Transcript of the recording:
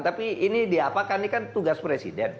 tapi ini diapakan ini kan tugas presiden